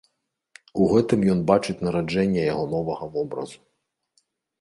У гэтым ён бачыць нараджэнне яго новага вобразу.